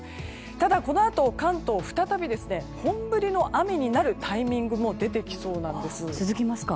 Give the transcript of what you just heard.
ただ、このあと関東は再び本降りの雨になるタイミングも出てきそうなんです。